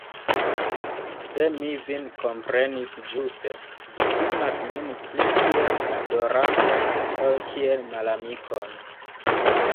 Se mi vin komprenis ĝuste, vi timas min pli kiel adoranton, ol kiel malamikon.